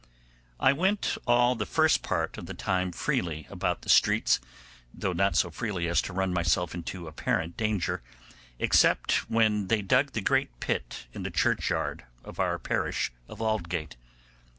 I went all the first part of the time freely about the streets, though not so freely as to run myself into apparent danger, except when they dug the great pit in the churchyard of our parish of Aldgate.